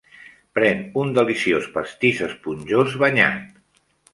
Pren un deliciós pastís esponjós banyat.